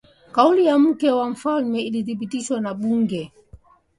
kauli ya mke wa mfalme ilithibitishwa na bunge